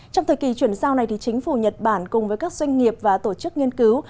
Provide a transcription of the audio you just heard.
trong thời kỳ chuyển giao này chính phủ nhật bản cùng với các doanh nghiệp và tổ chức nghiên cứu